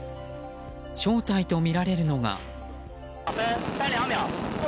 正体とみられるのが。